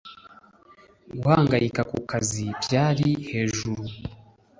guhangayika ku kazi byari hejuru